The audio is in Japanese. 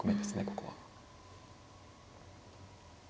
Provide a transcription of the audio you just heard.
ここは。